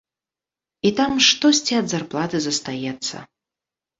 І там штосьці ад зарплаты застаецца.